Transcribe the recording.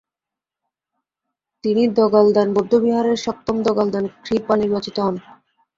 তিনি দ্গা'-ল্দান বৌদ্ধবিহারের সপ্তম দ্গা'-ল্দান-খ্রি-পা নির্বাচিত হন।